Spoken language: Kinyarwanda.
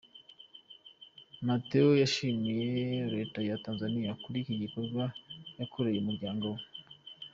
Mtegoa yashimiye Reta ya Tanzaniya kuri iki gikorwa yakoreye umuryango we.